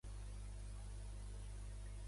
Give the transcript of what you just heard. Pagar la multa, un àlbum íntegrament en català.